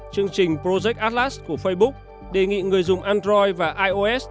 chương trình projec atlas của facebook đề nghị người dùng android và ios